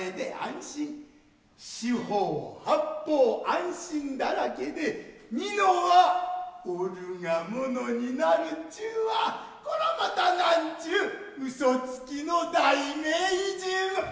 四方八方安心だらけで蓑は俺が物になるっちゅうはこらまた何ちゅう嘘つきの大名人。